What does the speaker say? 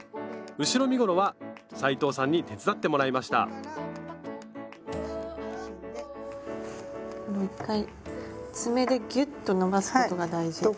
後ろ身ごろは斉藤さんに手伝ってもらいました１回爪でギュッと伸ばすことが大事。